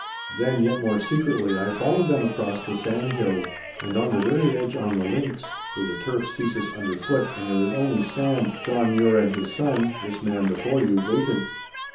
'Then, yet more secretly, I followed them across the sandhills, and on the very edge on the links, where the turf ceases underfoot and there is only sand, John Mure and his son, this man before you, waited.